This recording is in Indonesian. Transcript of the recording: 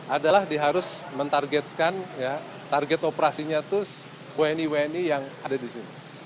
adalah dia harus mentargetkan target operasinya itu wni wni yang ada di sini